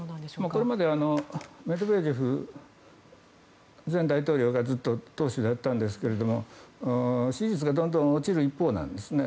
これまでメドベージェフ前大統領がずっと党首だったんですが支持率がどんどん落ちる一方なんですね。